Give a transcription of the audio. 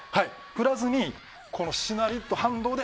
降らずにしなりと反動で。